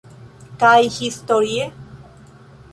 Kaj historie?